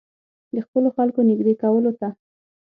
د خپلو خلکو نېږدې کولو ته.